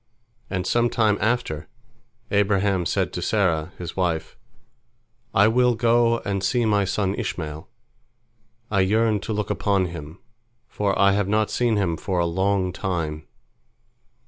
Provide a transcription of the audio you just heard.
And some time after, Abraham said to Sarah, his wife, "I will go and see my son Ishmael; I yearn to look upon him, for I have not seen him for a long time."